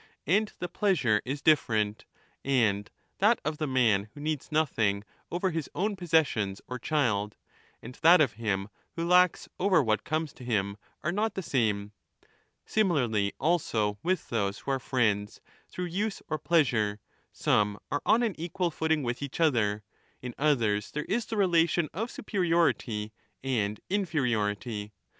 And the 30 pleasure is different, and ^ that of the man who needs nothing over his own possessions or child, and that of him who lacks over what comes to him, are not the same. Similarly also with those who are friends through use or pleasure, some are on an equal footing with each other, in others there is the relation of superiority and inferiority.